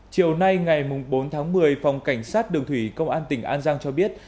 chiều nay ngày bốn tháng một mươi phòng cảnh sát đường thủy công an tỉnh an giang cho biết